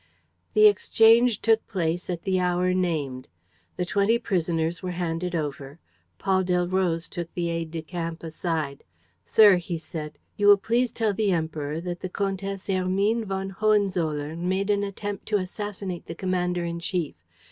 The exchange took place at the hour named. The twenty prisoners were handed over. Paul Delroze took the aide de camp aside: "Sir," he said, "you will please tell the Emperor that the Comtesse Hermine von Hohenzollern made an attempt to assassinate the commander in chief.